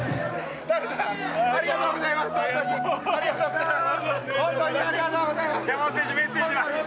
ありがとうございます！